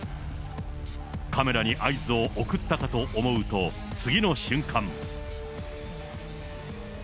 カメラに合図を送ったかと思うと、次の瞬間。